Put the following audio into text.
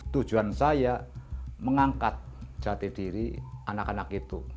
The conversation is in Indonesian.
tujuan saya mengangkat jati diri anak anak itu